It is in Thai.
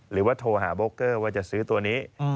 หรือว่าโทรหาโบเกอร์ว่าจะซื้อตัวนี้